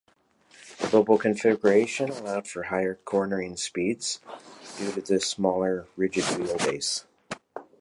The Bo-Bo configuration allowed for higher cornering speeds due to the smaller rigid wheelbase.